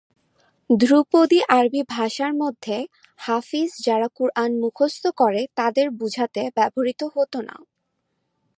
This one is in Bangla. ধ্রুপদী আরবি ভাষার মধ্যে, "হাফিজ" যারা কুরআন মুখস্থ করে তাদের বুঝাতে ব্যবহৃত হতো না।